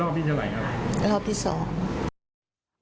อันนี้เป็นรอบที่เท่าไรครับ